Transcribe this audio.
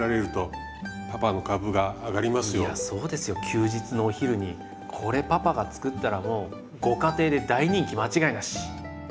休日のお昼にこれパパが作ったらもうご家庭で大人気間違いなし！